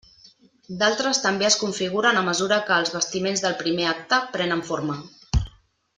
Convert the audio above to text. D'altres també es configuren a mesura que els bastiments del primer acte prenen forma.